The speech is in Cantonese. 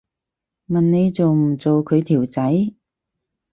問你做唔做佢條仔